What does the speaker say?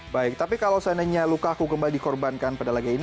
baik tapi kalau seandainya lukaku kembali dikorbankan pada laga ini